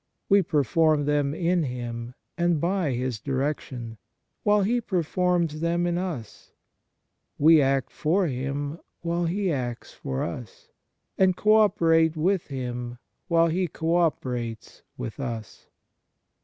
We perform them in Him and by His direction, while He per forms them in us; we act for Him while He acts for us, and co operate with Him while He co operates with us."